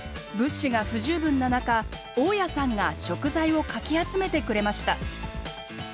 物資が不十分な中大家さんが食材をかき集めてくれました。